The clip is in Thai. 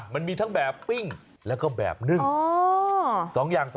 มันมีทั้งแบบปิ้งแล้วก็แบบนึ่ง